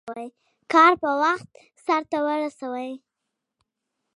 کار په وخت سرته ورسوئ.